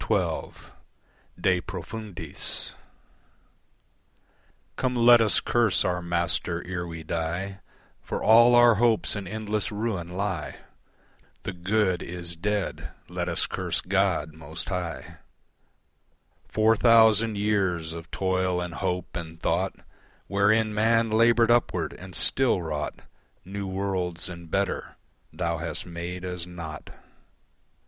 De Profundis Come let us curse our Master ere we die, For all our hopes in endless ruin lie. The good is dead. Let us curse God most High. Four thousand years of toil and hope and thought Wherein man laboured upward and still wrought New worlds and better, Thou hast made as naught.